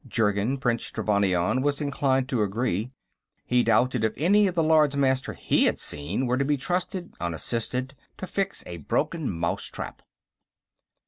Jurgen, Prince Trevannion was inclined to agree. He doubted if any of the Lords Master he had seen were to be trusted, unassisted, to fix a broken mouse trap.